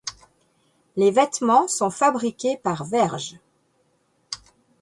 Les vêtements sont fabriqués par Verge.